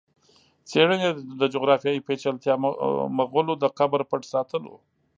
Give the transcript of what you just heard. څېړني یې د جغرافیایي پېچلتیا، مغولو د قبر پټ ساتلو